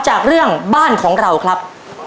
จากเรื่องบ้านของเราครับ